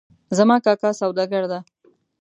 زما کاکا سوداګر ده